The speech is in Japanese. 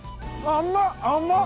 甘っ！